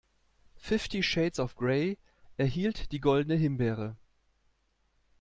Fifty Shades of Grey erhielt die Goldene Himbeere.